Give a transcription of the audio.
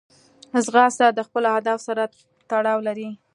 ځغاسته د خپلو اهدافو سره تړاو لري